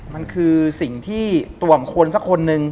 มันคือสิ่งที่ตัวของคนสักคนนึง